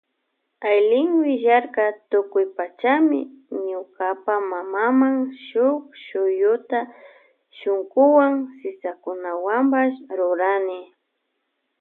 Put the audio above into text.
Aylin willarka tukuy pachami ñukapa mamama shuk shuyuta shunkuwan sisakunawanpash rurani.